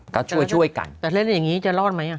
ก็ช่วยกันถ้าเล่นอย่างนี้จะรอดไหมไม่รอด